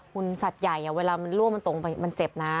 มันสัดใหญ่อ่ะเวลามันร่วมมาตรงไปมันเจ็บนะ